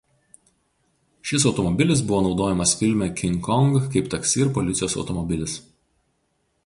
Šis automobilis buvo naudojamas filme „King Kong“ kaip taksi ir policijos automobilis.